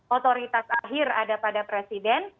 otoritas akhir ada pada presiden